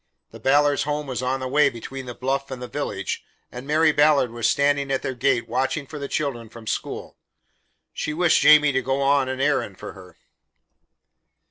The Ballards' home was on the way between the bluff and the village, and Mary Ballard was standing at their gate watching for the children from school. She wished Jamie to go on an errand for her.